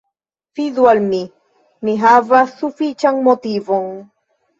Fidu al mi; mi havas sufiĉan motivon.